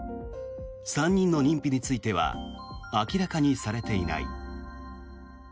３人の認否については明らかにされていない。